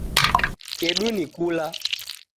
Kedu ni kula